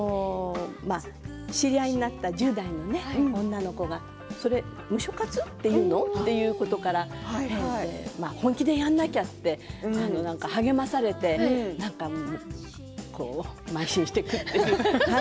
知り合いになった１０代の女の子がそれムショ活っていうの？というところから本気でやらなきゃって励まされてなんかこうまい進していくという。